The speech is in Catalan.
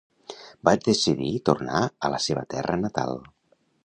Va decidir tornar a la seva terra natal